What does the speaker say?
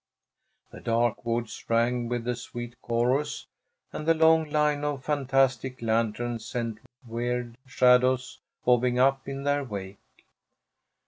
The dark woods rang with the sweet chorus, and the long line of fantastic lanterns sent weird shadows bobbing up in their wake.